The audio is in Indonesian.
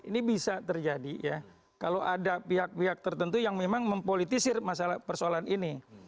ini bisa terjadi ya kalau ada pihak pihak tertentu yang memang mempolitisir masalah persoalan ini